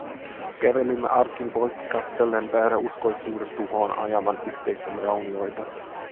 Kävelimme arkin poikki katsellen vääräuskoisuuden tuhoon ajaman yhteisön raunioita.